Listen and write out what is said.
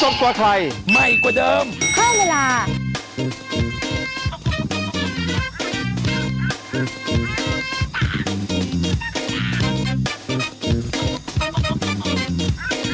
เพิ่มเวลา